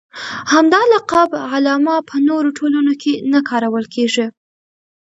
همدا لقب علامه په نورو ټولنو کې نه کارول کېږي.